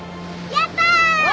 やったな！